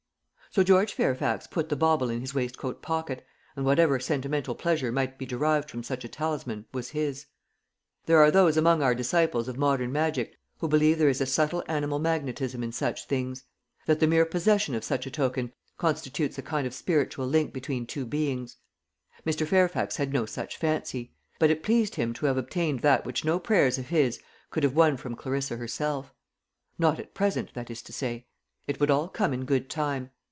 So George Fairfax put the bauble in his waistcoat pocket, and whatever sentimental pleasure might be derived from such a talisman was his. There are those among our disciples of modern magic who believe there is a subtle animal magnetism in such things; that the mere possession of such a token constitutes a kind of spiritual link between two beings. Mr. Fairfax had no such fancy; but it pleased him to have obtained that which no prayers of his could have won from Clarissa herself. Not at present, that is to say. It would all come in good time.